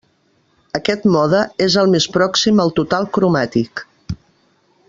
Aquest mode és el més pròxim al total cromàtic.